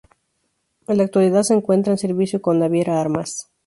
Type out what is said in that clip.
En la actualidad se encuentra en servicio con Naviera Armas.